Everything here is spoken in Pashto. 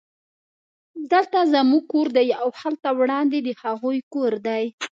دلته زموږ کور دی او هلته وړاندې د هغوی کور دی